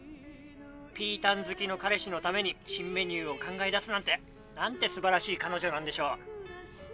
ピータン好きの彼氏のために新メニューを考え出すなんてなんて素晴らしい彼女なんでしょう。